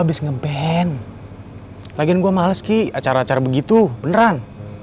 habis nge ban lagi gua males ki acara acara begitu beneran